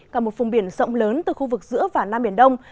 cả một vùng biển rộng lớn từ khu vực giữa và nam biển đông